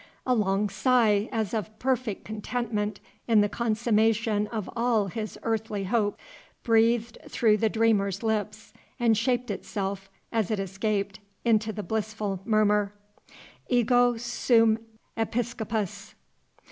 A long sigh, as of perfect content in the consummation of all his earthly hopes, breathed through the dreamer's lips, and shaped itself, as it escaped, into the blissful murmur, Ego sum Episcopus!